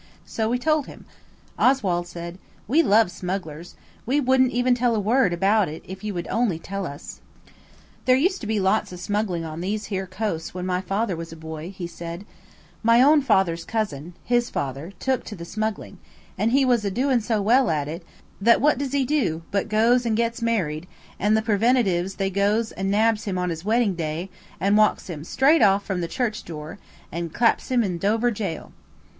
So we told him. Oswald said– "We love smugglers. We wouldn't even tell a word about it if you would only tell us." "There used to be lots of smuggling on these here coasts when my father was a boy," he said; "my own father's cousin, his father took to the smuggling, and he was a doin' so well at it, that what does he do, but goes and gets married, and the Preventives they goes and nabs him on his wedding day, and walks him straight off from the church door, and claps him in Dover Jail."